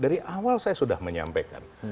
dari awal saya sudah menyampaikan